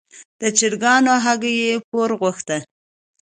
د چرګانو هګۍ یې پور غوښتې.